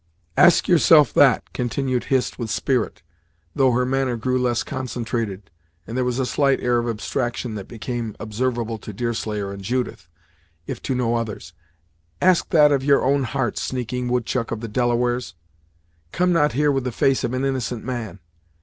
"Ask yourself that," continued Hist with spirit, though her manner grew less concentrated, and there was a slight air of abstraction that became observable to Deerslayer and Judith, if to no others "Ask that of your own heart, sneaking woodchuck of the Delawares; come not here with the face of an innocent man.